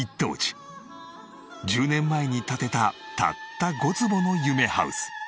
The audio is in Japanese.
１０年前に建てたたった５坪の夢ハウス。